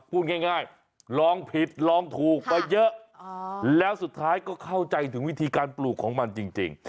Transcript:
พูดง่ายลองผิดลองถูกไปเยอะแล้วสุดท้ายก็เข้าใจถึงวิธีการปลูกของมันจริง